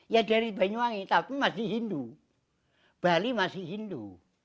ya dari banyuwangi tapi masih hindu bali masih hindu